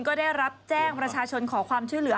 ก็ได้รับแจ้งประชาชนขอความช่วยเหลือ